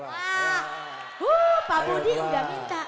wah pak budi udah minta